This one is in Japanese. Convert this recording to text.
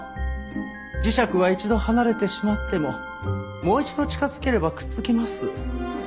磁石は一度離れてしまってももう一度近づければくっつきます。